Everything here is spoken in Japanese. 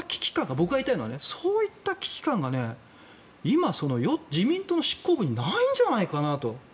僕が言いたいのはそういった危機感が今、自民党の執行部にないんじゃないかなと。